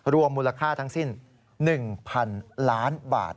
รวมมูลค่าทั้งสิ้น๑๐๐๐ล้านบาท